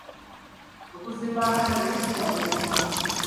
Okuzimba akatale kukyagenda mu maaso.